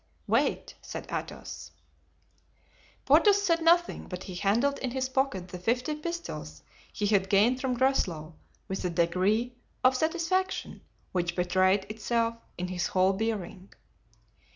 "Wait," said Athos. Porthos said nothing, but he handled in his pocket the fifty pistoles he had gained from Groslow with a degree of satisfaction which betrayed itself in his whole bearing.